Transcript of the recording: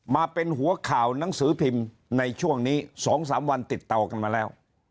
มาเป็นหัวข่าวหนังสือพิมพ์ในช่วงนี้๒๓วันติดเตากันมาแล้ว